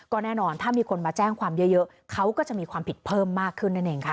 ก็แน่นอนถ้ามีคนมาแจ้งความเยอะเขาก็จะมีความผิดเพิ่มมากขึ้นนั่นเองค่ะ